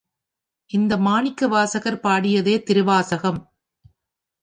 இந்த மணிவாசகர் பாடியதே திருவாசகம்.